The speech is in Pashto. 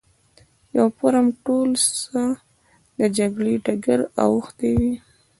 د یوه فورم ټول څه د جګړې ډګر اوښتی وي.